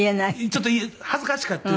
ちょっと恥ずかしかって。